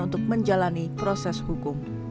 untuk menjalani proses hukum